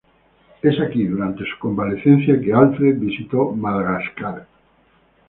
Es aquí, durante su convalecencia, que Alfred visitó Madagascar.